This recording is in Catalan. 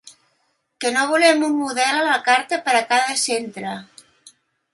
Que no volem un model a la carta per a cada centre.